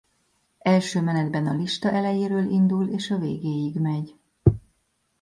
Első menetben a lista elejéről indul és a végéig megy.